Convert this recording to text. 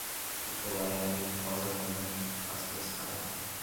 Tupolev, Rosatom, Kaspersky